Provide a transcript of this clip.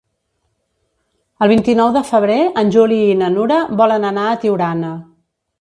El vint-i-nou de febrer en Juli i na Nura volen anar a Tiurana.